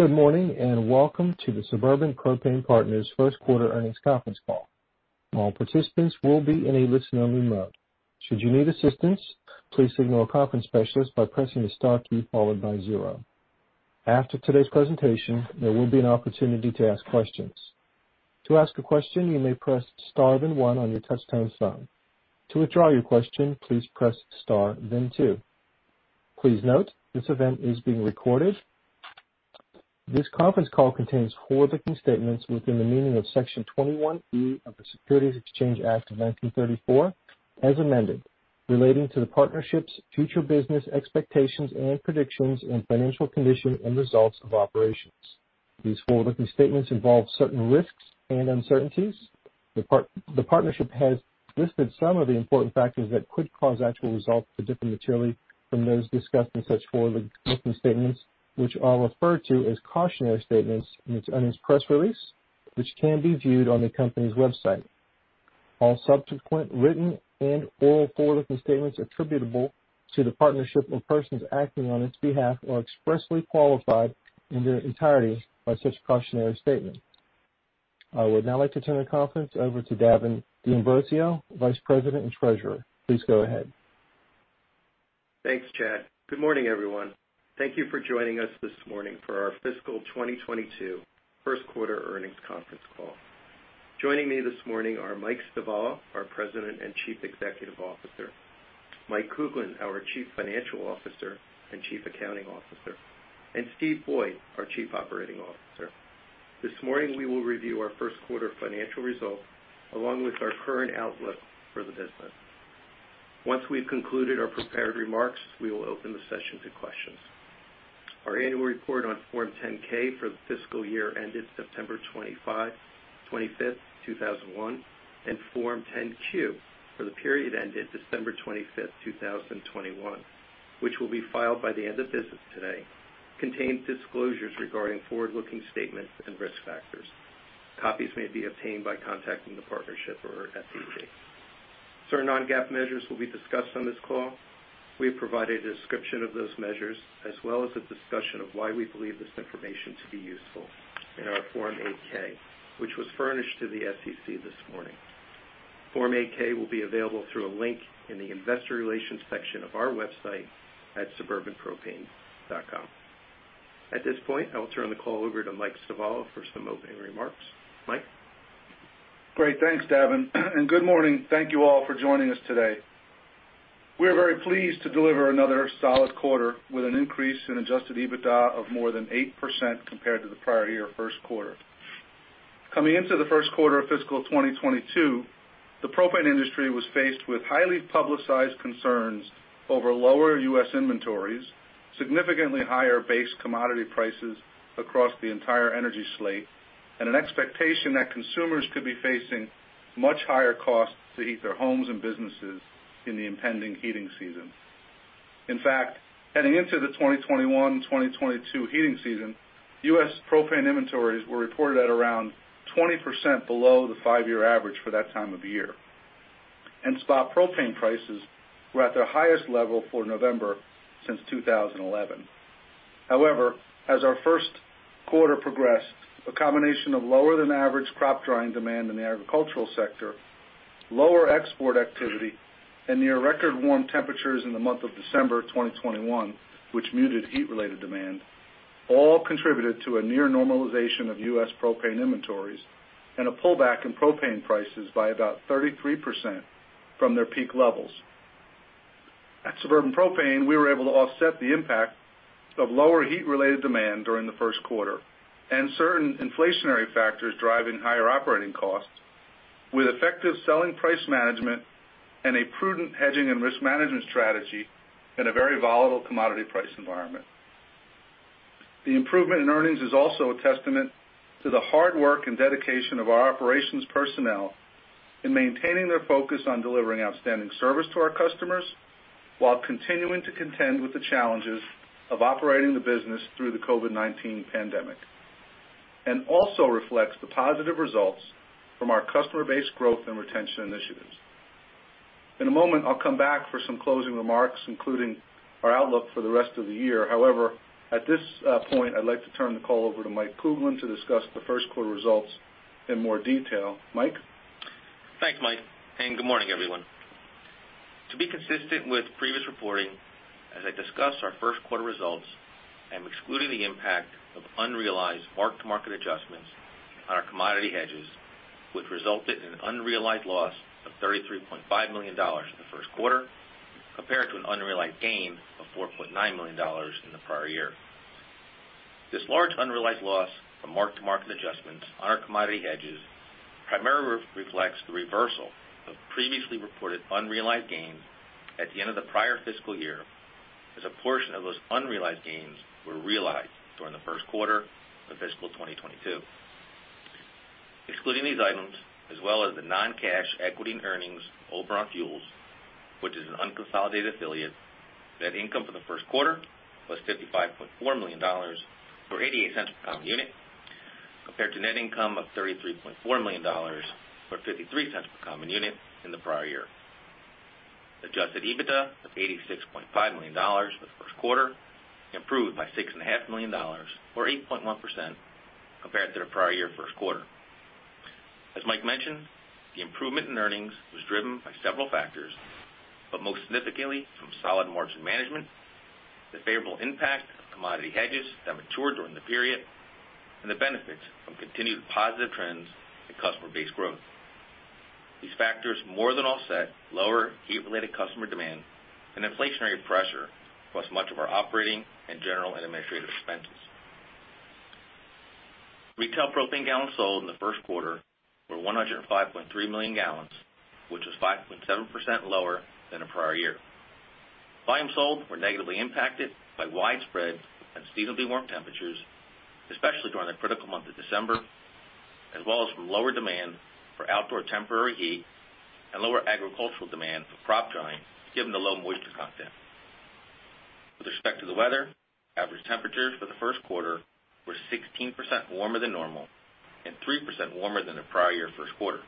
Good morning, and welcome to the Suburban Propane Partners first quarter earnings conference call. All participants will be in a listen-only mode. Should you need assistance, please signal a conference specialist by pressing the star key followed by zero. After today's presentation, there will be an opportunity to ask questions. To ask a question, you may press star then one on your touch-tone phone. To withdraw your question, please press star then two. Please note, this event is being recorded. This conference call contains forward-looking statements within the meaning of Section 21E of the Securities Exchange Act of 1934, as amended, relating to the partnership's future business expectations and predictions and financial condition and results of operations. These forward-looking statements involve certain risks and uncertainties. The partnership has listed some of the important factors that could cause actual results to differ materially from those discussed in such forward-looking statements, which are referred to as cautionary statements in its earnings press release, which can be viewed on the company's website. All subsequent written and oral forward-looking statements attributable to the partnership and persons acting on its behalf are expressly qualified in their entirety by such cautionary statement. I would now like to turn the conference over to Davin D'Ambrosio, Vice President and Treasurer. Please go ahead. Thanks, Chad. Good morning, everyone. Thank you for joining us this morning for our fiscal 2022 first quarter earnings conference call. Joining me this morning are Mike Stivala, our President and Chief Executive Officer, Mike Kuglin, our Chief Financial Officer and Chief Accounting Officer, and Steve Boyd, our Chief Operating Officer. This morning, we will review our first quarter financial results, along with our current outlook for the business. Once we've concluded our prepared remarks, we will open the session to questions. Our annual report on Form 10-K for the fiscal year ended September 25, 2021, and Form 10-Q for the period ended December 25, 2021, which will be filed by the end of business today, contains disclosures regarding forward-looking statements and risk factors. Copies may be obtained by contacting the partnership or our [SEC]. Certain non-GAAP measures will be discussed on this call. We have provided a description of those measures, as well as a discussion of why we believe this information to be useful in our Form 8-K, which was furnished to the SEC this morning. Form 8-K will be available through a link in the investor relations section of our website at suburbanpropane.com. At this point, I will turn the call over to Mike Stivala for some opening remarks. Mike? Great. Thanks, Davin. Good morning. Thank you all for joining us today. We are very pleased to deliver another solid quarter with an increase in adjusted EBITDA of more than 8% compared to the prior year first quarter. Coming into the first quarter of fiscal 2022, the propane industry was faced with highly publicized concerns over lower U.S. inventories, significantly higher base commodity prices across the entire energy slate, and an expectation that consumers could be facing much higher costs to heat their homes and businesses in the impending heating season. In fact, heading into the 2021-2022 heating season, U.S. propane inventories were reported at around 20% below the five-year average for that time of year. Spot propane prices were at their highest level for November since 2011. However, as our first quarter progressed, a combination of lower than average crop drying demand in the agricultural sector, lower export activity, and near record warm temperatures in the month of December 2021, which muted heat-related demand, all contributed to a near normalization of U.S. propane inventories and a pullback in propane prices by about 33% from their peak levels. At Suburban Propane, we were able to offset the impact of lower heat-related demand during the first quarter and certain inflationary factors driving higher operating costs with effective selling price management and a prudent hedging and risk management strategy in a very volatile commodity price environment. The improvement in earnings is also a testament to the hard work and dedication of our operations personnel in maintaining their focus on delivering outstanding service to our customers while continuing to contend with the challenges of operating the business through the COVID-19 pandemic. It also reflects the positive results from our customer base growth and retention initiatives. In a moment, I'll come back for some closing remarks, including our outlook for the rest of the year. However, at this point, I'd like to turn the call over to Mike Kuglin to discuss the first quarter results in more detail. Mike? Thanks, Mike. Good morning, everyone. To be consistent with previous reporting, as I discuss our first quarter results, I'm excluding the impact of unrealized mark-to-market adjustments on our commodity hedges, which resulted in an unrealized loss of $33.5 million in the first quarter, compared to an unrealized gain of $4.9 million in the prior year. This large unrealized loss from mark-to-market adjustments on our commodity hedges primarily reflects the reversal of previously reported unrealized gains at the end of the prior fiscal year, as a portion of those unrealized gains were realized during the first quarter of fiscal 2022. Excluding these items, as well as the non-cash equity and earnings of Oberon Fuels, which is an unconsolidated affiliate, net income for the first quarter was $55.4 million, or $0.88 per common unit, compared to net income of $33.4 million, or $0.53 per common unit in the prior year. Adjusted EBITDA of $86.5 million for the first quarter improved by $6.5 million or 8.1% compared to the prior year first quarter. As Mike mentioned, the improvement in earnings was driven by several factors, but most significantly from solid margin management, the favorable impact of commodity hedges that matured during the period, and the benefits from continued positive trends in customer base growth. These factors more than offset lower heat-related customer demand and inflationary pressure plus much of our operating and general and administrative expenses. Retail propane gallons sold in the first quarter were 105.3 million gallons, which was 5.7% lower than the prior year. Volumes sold were negatively impacted by widespread unseasonably warm temperatures, especially during the critical month of December, as well as from lower demand for outdoor temporary heat and lower agricultural demand for crop drying, given the low moisture content. With respect to the weather, average temperatures for the first quarter were 16% warmer than normal and 3% warmer than the prior year first quarter.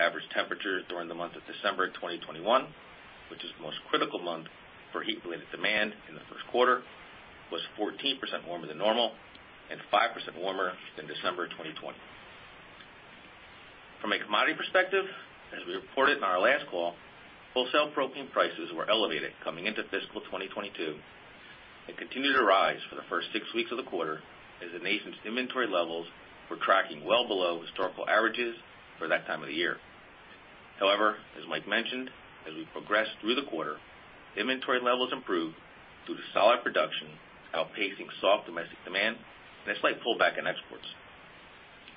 Average temperatures during the month of December 2021, which is the most critical month for heat-related demand in the first quarter, was 14% warmer than normal and 5% warmer than December 2020. From a commodity perspective, as we reported in our last call, wholesale propane prices were elevated coming into fiscal 2022 and continued to rise for the first six weeks of the quarter as the nation's inventory levels were tracking well below historical averages for that time of the year. However, as Mike mentioned, as we progressed through the quarter, inventory levels improved due to solid production outpacing soft domestic demand and a slight pullback in exports.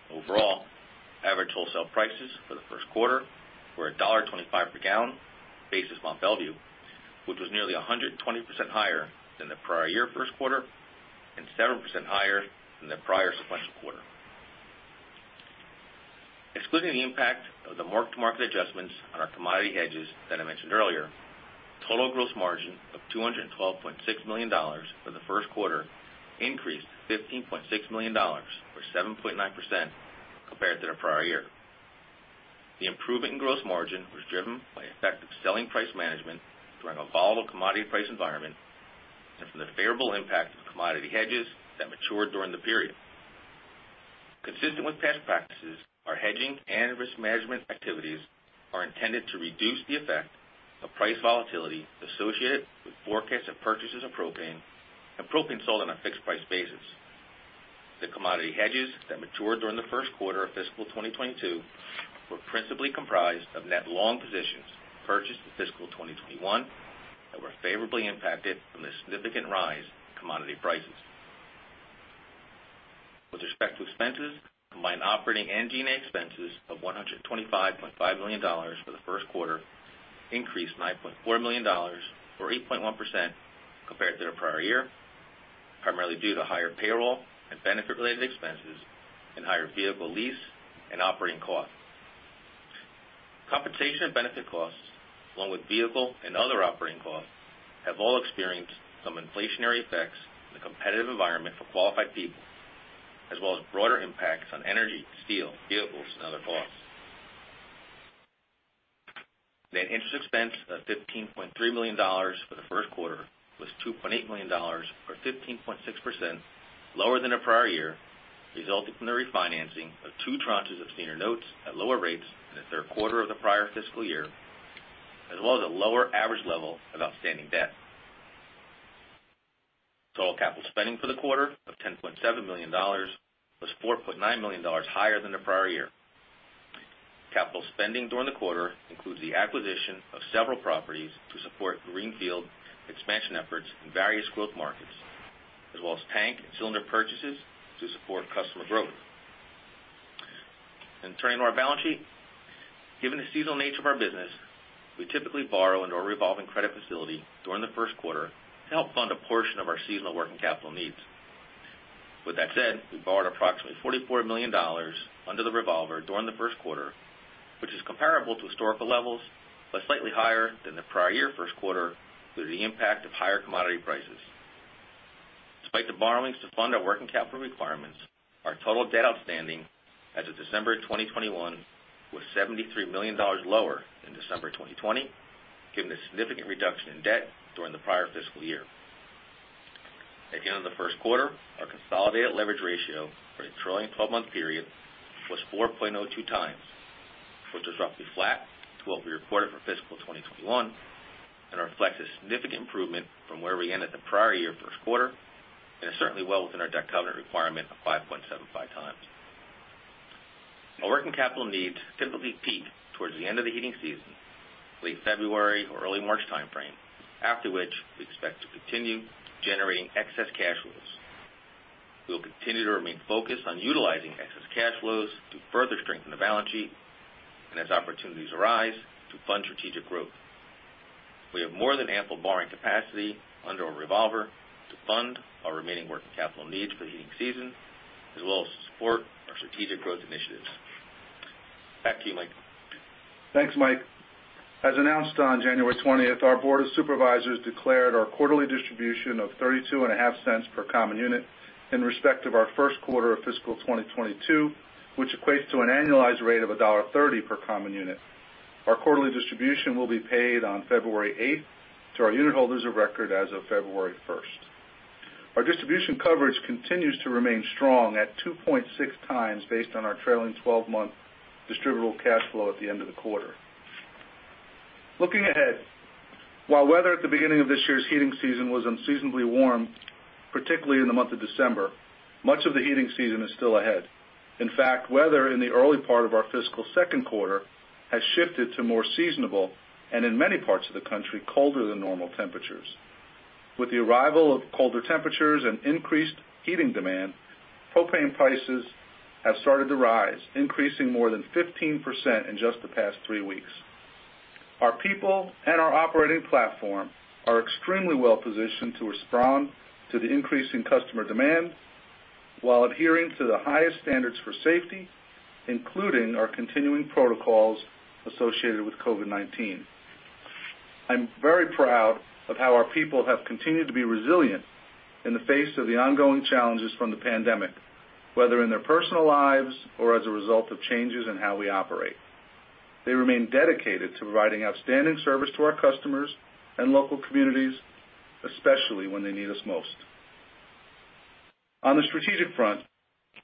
Overall, average wholesale prices for the first quarter were $1.25 per gallon basis Mont Belvieu, which was nearly 120% higher than the prior year first quarter and 7% higher than the prior sequential quarter. Excluding the impact of the mark-to-market adjustments on our commodity hedges that I mentioned earlier, total gross margin of $212.6 million for the first quarter increased $15.6 million or 7.9% compared to the prior year. The improvement in gross margin was driven by effective selling price management during a volatile commodity price environment and from the favorable impact of commodity hedges that matured during the period. Consistent with past practices, our hedging and risk management activities are intended to reduce the effect of price volatility associated with forecasts and purchases of propane and propane sold on a fixed price basis. The commodity hedges that matured during the first quarter of fiscal 2022 were principally comprised of net long positions purchased in fiscal 2021 that were favorably impacted from the significant rise in commodity prices. With respect to expenses, combined operating and G&A expenses of $125.5 million for the first quarter increased $9.4 million or 8.1% compared to the prior year, primarily due to higher payroll and benefit-related expenses and higher vehicle lease and operating costs. Compensation and benefit costs, along with vehicle and other operating costs, have all experienced some inflationary effects in the competitive environment for qualified people, as well as broader impacts on energy, steel, vehicles, and other costs. Net interest expense of $15.3 million for the first quarter was $2.8 million or 15.6% lower than the prior year, resulting from the refinancing of two tranches of senior notes at lower rates in the third quarter of the prior fiscal year, as well as a lower average level of outstanding debt. Total capital spending for the quarter of $10.7 million was $4.9 million higher than the prior year. Capital spending during the quarter includes the acquisition of several properties to support greenfield expansion efforts in various growth markets, as well as tank and cylinder purchases to support customer growth. Turning to our balance sheet, given the seasonal nature of our business, we typically borrow into our revolving credit facility during the first quarter to help fund a portion of our seasonal working capital needs. With that said, we borrowed approximately $44 million under the revolver during the first quarter, which is comparable to historical levels, but slightly higher than the prior year first quarter due to the impact of higher commodity prices. Despite the borrowings to fund our working capital requirements, our total debt outstanding as of December 2021 was $73 million lower than December 2020, given the significant reduction in debt during the prior fiscal year. At the end of the first quarter, our consolidated leverage ratio for the trailing 12-month period was 4.02x, which was roughly flat to what we reported for fiscal 2021 and reflects a significant improvement from where we ended the prior year first quarter and is certainly well within our debt covenant requirement of 5.75x. Our working capital needs typically peak towards the end of the heating season, late February or early March timeframe, after which we expect to continue generating excess cash flows. We will continue to remain focused on utilizing excess cash flows to further strengthen the balance sheet and as opportunities arise to fund strategic growth. We have more than ample borrowing capacity under our revolver to fund our remaining working capital needs for the heating season, as well as to support our strategic growth initiatives. Back to you, Mike. Thanks, Mike. As announced on January 20, our board of supervisors declared our quarterly distribution of $0.325 per common unit in respect of our first quarter of fiscal 2022, which equates to an annualized rate of $1.30 per common unit. Our quarterly distribution will be paid on February 8th to our unit holders of record as of February 1st. Our distribution coverage continues to remain strong at 2.6x based on our trailing 12-month distributable cash flow at the end of the quarter. Looking ahead, while weather at the beginning of this year's heating season was unseasonably warm, particularly in the month of December, much of the heating season is still ahead. In fact, weather in the early part of our fiscal second quarter has shifted to more seasonable and in many parts of the country, colder than normal temperatures. With the arrival of colder temperatures and increased heating demand, propane prices have started to rise, increasing more than 15% in just the past three weeks. Our people and our operating platform are extremely well positioned to respond to the increase in customer demand while adhering to the highest standards for safety, including our continuing protocols associated with COVID-19. I'm very proud of how our people have continued to be resilient in the face of the ongoing challenges from the pandemic, whether in their personal lives or as a result of changes in how we operate. They remain dedicated to providing outstanding service to our customers and local communities, especially when they need us most. On the strategic front,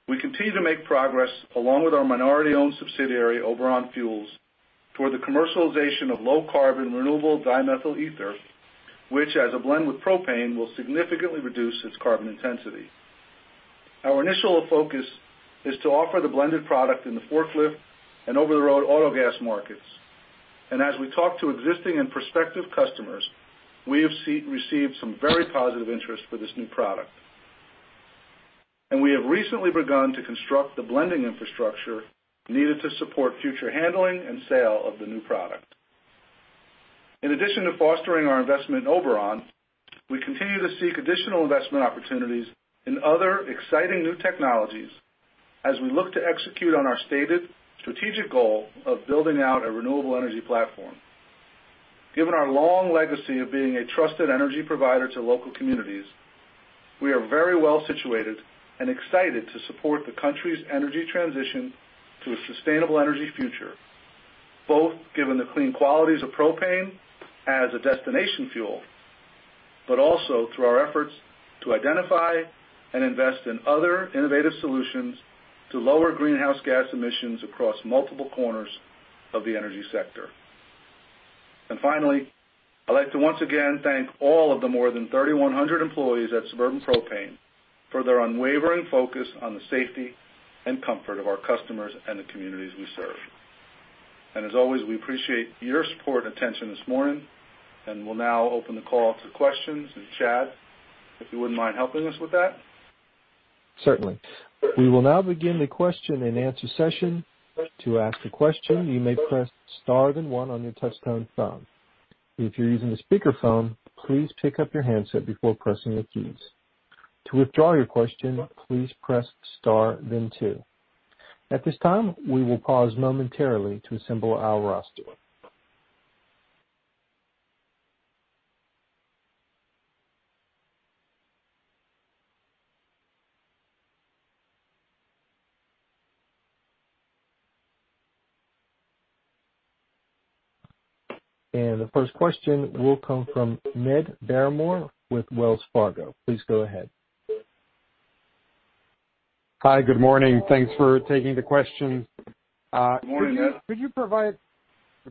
we continue to make progress along with our minority-owned subsidiary, Oberon Fuels, toward the commercialization of low carbon renewable dimethyl ether, which, as a blend with propane, will significantly reduce its carbon intensity. Our initial focus is to offer the blended product in the forklift and over-the-road auto gas markets. As we talk to existing and prospective customers, we have received some very positive interest for this new product. We have recently begun to construct the blending infrastructure needed to support future handling and sale of the new product. In addition to fostering our investment in Oberon, we continue to seek additional investment opportunities in other exciting new technologies as we look to execute on our stated strategic goal of building out a renewable energy platform. Given our long legacy of being a trusted energy provider to local communities, we are very well situated and excited to support the country's energy transition to a sustainable energy future, both given the clean qualities of propane as a destination fuel, but also through our efforts to identify and invest in other innovative solutions to lower greenhouse gas emissions across multiple corners of the energy sector. Finally, I'd like to once again thank all of the more than 3,100 employees at Suburban Propane for their unwavering focus on the safety and comfort of our customers and the communities we serve. As always, we appreciate your support and attention this morning, and we'll now open the call up to questions. Chad, if you wouldn't mind helping us with that. Certainly. We will now begin the question-and-answer session. To ask a question, you may press star then one on your touch-tone phone. If you're using a speakerphone, please pick up your handset before pressing the keys. To withdraw your question, please press star then two. At this time, we will pause momentarily to assemble our roster. The first question will come from Ned Baramov with Wells Fargo. Please go ahead. Hi, good morning. Thanks for taking the questions. Good morning, Ned. Good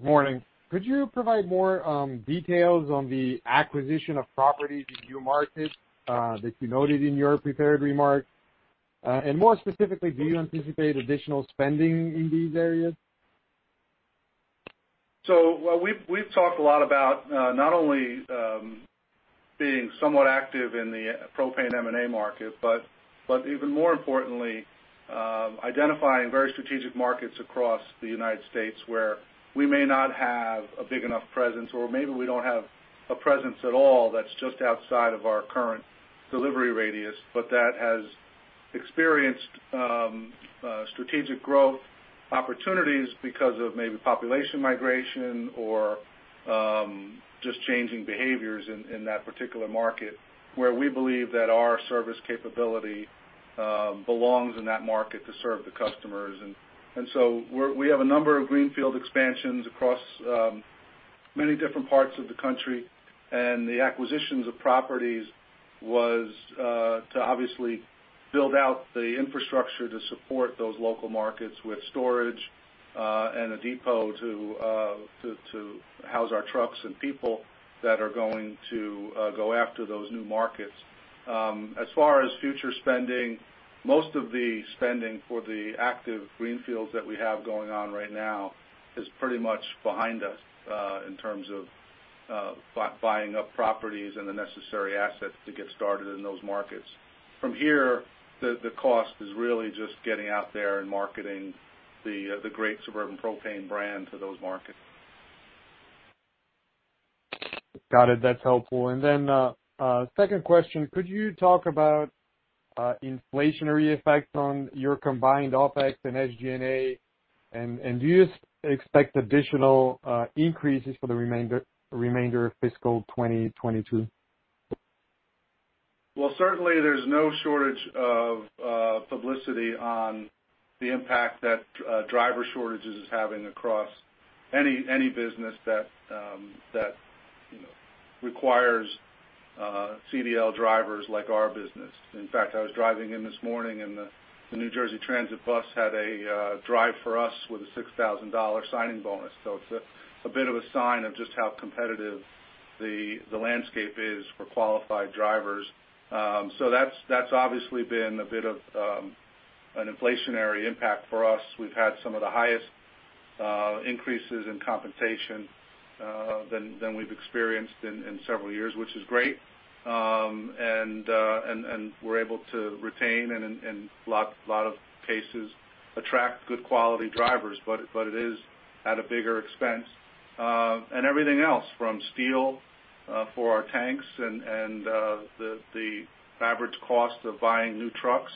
morning. Could you provide more details on the acquisition of properties in new markets that you noted in your prepared remarks? More specifically, do you anticipate additional spending in these areas? We've talked a lot about not only being somewhat active in the propane M&A market, but even more importantly, identifying very strategic markets across the United States where we may not have a big enough presence or maybe we don't have a presence at all that's just outside of our current delivery radius, but that has experienced strategic growth opportunities because of maybe population migration or just changing behaviors in that particular market, where we believe that our service capability belongs in that market to serve the customers. We have a number of greenfield expansions across many different parts of the country. The acquisitions of properties was to obviously build out the infrastructure to support those local markets with storage and a depot to house our trucks and people that are going to go after those new markets. As far as future spending, most of the spending for the active greenfields that we have going on right now is pretty much behind us in terms of buying up properties and the necessary assets to get started in those markets. From here, the cost is really just getting out there and marketing the great Suburban Propane brand to those markets. Got it. That's helpful. Second question. Could you talk about inflationary effect on your combined OpEx and SG&A? Do you expect additional increases for the remainder of fiscal 2022? Well, certainly there's no shortage of publicity on the impact that driver shortages is having across any business that you know requires CDL drivers like our business. In fact, I was driving in this morning and the New Jersey Transit bus had a drive for us with a $6,000 signing bonus. It's a bit of a sign of just how competitive the landscape is for qualified drivers. That's obviously been a bit of an inflationary impact for us. We've had some of the highest increases in compensation than we've experienced in several years, which is great. And we're able to retain and in a lot of cases attract good quality drivers. It is at a bigger expense. Everything else from steel for our tanks and the average cost of buying new trucks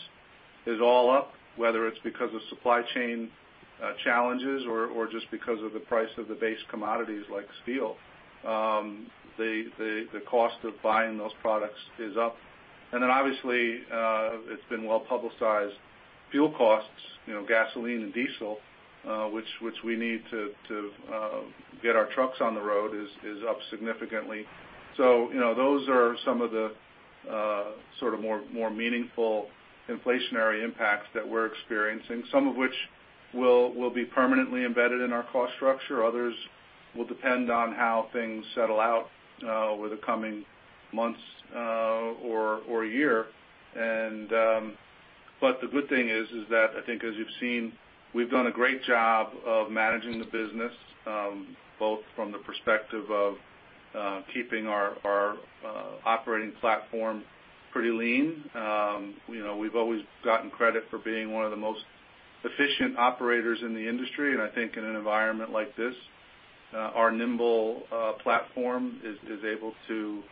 is all up, whether it's because of supply chain challenges or just because of the price of the base commodities like steel. The cost of buying those products is up. Then obviously it's been well-publicized fuel costs, you know, gasoline and diesel which we need to get our trucks on the road is up significantly. You know, those are some of the sort of more meaningful inflationary impacts that we're experiencing, some of which will be permanently embedded in our cost structure. Others will depend on how things settle out over the coming months or year. The good thing is that I think as you've seen, we've done a great job of managing the business, both from the perspective of keeping our operating platform pretty lean. You know, we've always gotten credit for being one of the most efficient operators in the industry. I think in an environment like this, our nimble platform is able to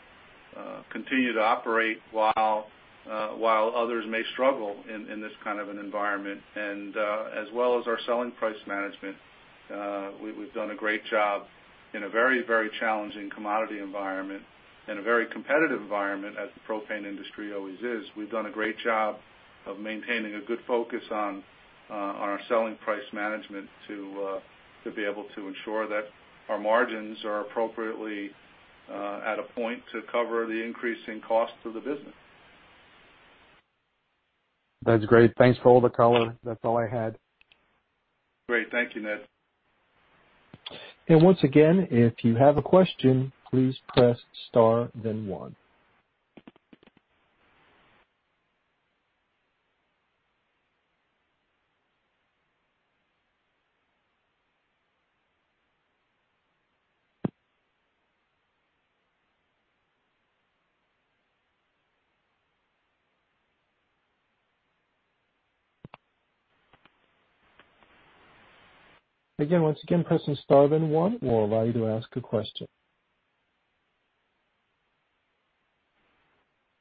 continue to operate while others may struggle in this kind of an environment. As well as our selling price management, we've done a great job in a very, very challenging commodity environment, in a very competitive environment as the propane industry always is. We've done a great job of maintaining a good focus on our selling price management to be able to ensure that our margins are appropriately at a point to cover the increasing costs of the business. That's great. Thanks for all the color. That's all I had. Great. Thank you, Ned. Once again, if you have a question, please press star then one. Once again, pressing star then one will allow you to ask a question.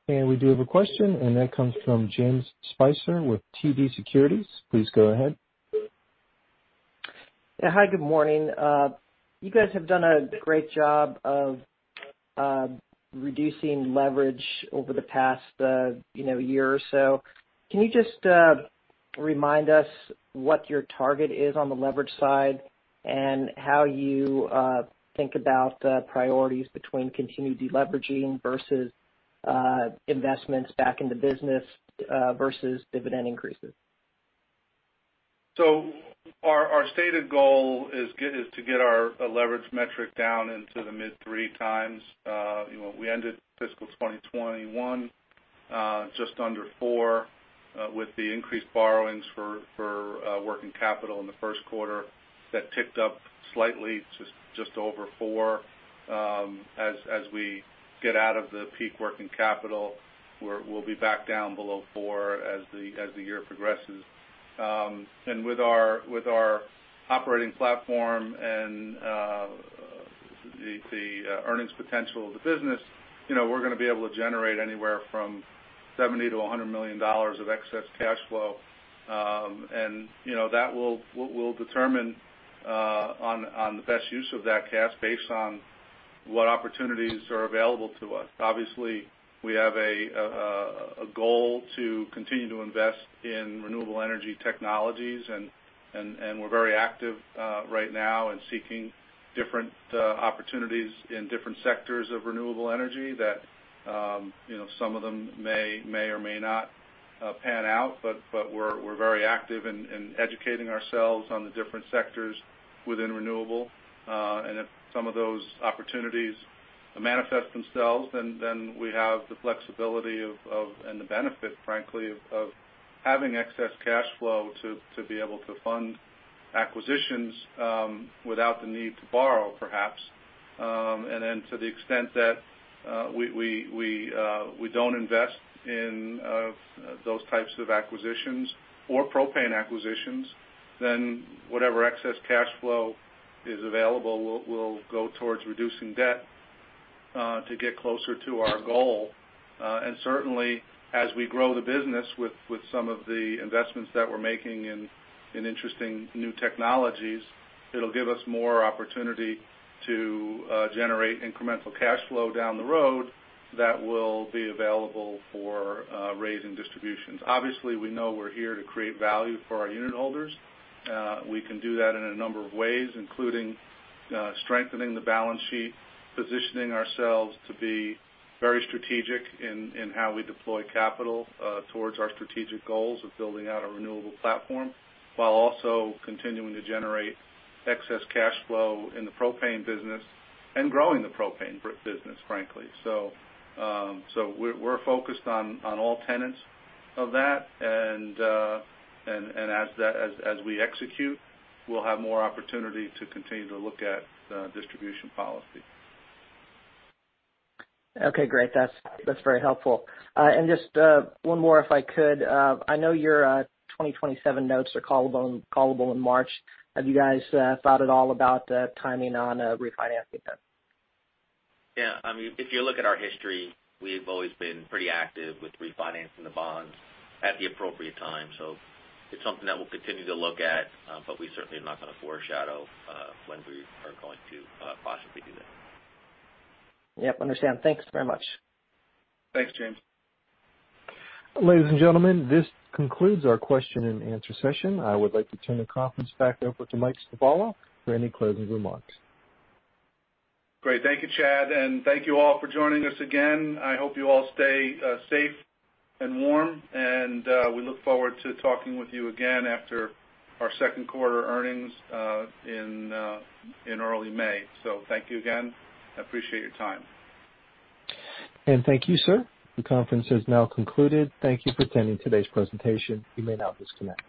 We do have a question, and that comes from James Spicer with TD Securities. Please go ahead. Yeah. Hi, good morning. You guys have done a great job of reducing leverage over the past, you know, year or so. Can you just remind us what your target is on the leverage side and how you think about priorities between continued deleveraging versus investments back in the business versus dividend increases? Our stated goal is to get our leverage metric down into the mid-3x. You know, we ended fiscal 2021 just under 4x. With the increased borrowings for working capital in the first quarter, that ticked up slightly just over 4x. As we get out of the peak working capital, we'll be back down below 4x as the year progresses. With our operating platform and the earnings potential of the business, you know, we're gonna be able to generate anywhere from $70 million-$100 million of excess cash flow. You know, we'll determine on the best use of that cash based on what opportunities are available to us. Obviously, we have a goal to continue to invest in renewable energy technologies, and we're very active right now in seeking different opportunities in different sectors of renewable energy that, you know, some of them may or may not pan out, but we're very active in educating ourselves on the different sectors within renewable. If some of those opportunities manifest themselves, then we have the flexibility of, and the benefit, frankly, of having excess cash flow to be able to fund acquisitions without the need to borrow, perhaps. To the extent that we don't invest in those types of acquisitions or propane acquisitions, then whatever excess cash flow is available will go towards reducing debt to get closer to our goal. Certainly, as we grow the business with some of the investments that we're making in interesting new technologies, it'll give us more opportunity to generate incremental cash flow down the road that will be available for raising distributions. Obviously, we know we're here to create value for our unitholders. We can do that in a number of ways, including strengthening the balance sheet, positioning ourselves to be very strategic in how we deploy capital towards our strategic goals of building out a renewable platform, while also continuing to generate excess cash flow in the propane business and growing the propane business, frankly. We're focused on all tenets of that. As we execute, we'll have more opportunity to continue to look at the distribution policy. Okay, great. That's very helpful. Just one more, if I could. I know your 2027 notes are callable in March. Have you guys thought at all about the timing on refinancing them? Yeah. I mean, if you look at our history, we've always been pretty active with refinancing the bonds at the appropriate time. It's something that we'll continue to look at, but we certainly are not gonna foreshadow, when we are going to, possibly do that. Yep, I understand. Thanks very much. Thanks, James. Ladies and gentlemen, this concludes our question and answer session. I would like to turn the conference back over to Mike Stivala for any closing remarks. Great. Thank you, Chad, and thank you all for joining us again. I hope you all stay safe and warm, and we look forward to talking with you again after our second quarter earnings in early May. Thank you again. I appreciate your time. Thank you, sir. The conference has now concluded. Thank you for attending today's presentation. You may now disconnect.